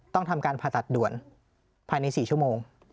ต้องทำการผ่าตัดด่วนภายใน๔ชั่วโมง